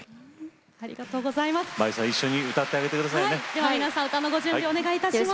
では皆さん歌のご準備をお願いいたします。